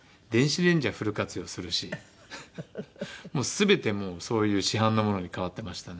全てもうそういう市販のものに変わってましたね。